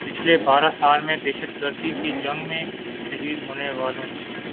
پچھلے بارہ سال میں دہشت گردی کی جنگ میں شہید ہونے والوں